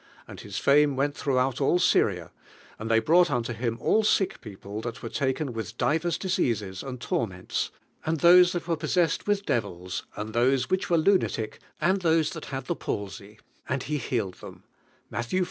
Anil His fame went thraughoul all Syria; and I ln y brought nnto Him all sick people thai were laken with divers diseases and torments, and those that were possessed with devils, anil those which wen lunatic, and those Hint hud the palsy; anil He healed them" (Matt iv.